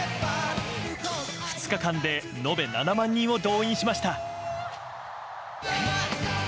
２日間で延べ７万人を動員しました。